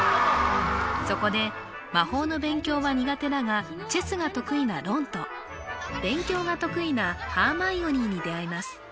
そこで魔法の勉強は苦手だがチェスが得意なロンと勉強が得意なハーマイオニーに出会います